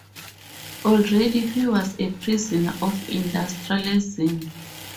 Already he was a prisoner of industrialism.